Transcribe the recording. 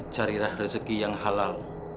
carilah rezeki yang halal